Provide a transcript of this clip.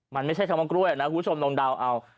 มันไม่ใช่คำว่ากล้วยนะคุณผู้ชมลองเดาเอา